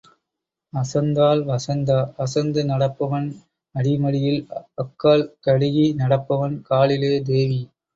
அசந்தால் வசந்தா, அசந்து நடப்பவன் அடிமடியில் அக்காள் கடுகி நடப்பவன் காலிலே தேவி.